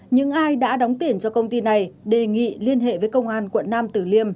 những ai đã đóng tiền cho công ty này đề nghị liên hệ với công an quận nam tử liêm